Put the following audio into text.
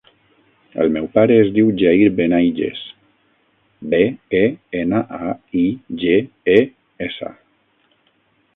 El meu pare es diu Jair Benaiges: be, e, ena, a, i, ge, e, essa.